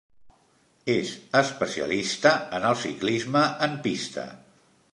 És especialista en el ciclisme en pista.